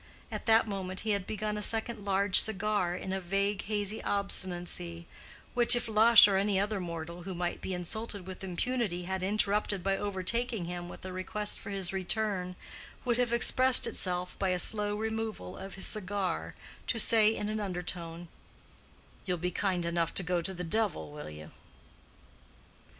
At that moment he had begun a second large cigar in a vague, hazy obstinacy which, if Lush or any other mortal who might be insulted with impunity had interrupted by overtaking him with a request for his return, would have expressed itself by a slow removal of his cigar, to say in an undertone, "You'll be kind enough to go to the devil, will you?"